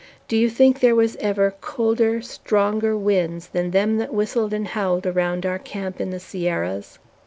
Do you think there was ever colder, stronger winds than them that whistled and howled around our camp in the Sierras?"